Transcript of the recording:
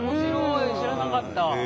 知らなかった。